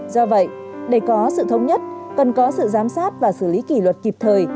do vậy để có sự thống nhất cần có sự giám sát và xử lý kỷ luật kịp thời